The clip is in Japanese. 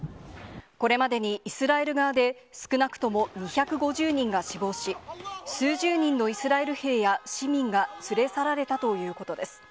これまでにイスラエル側で少なくとも２５０人が死亡し、数十人のイスラエル兵や市民が連れ去られたということです。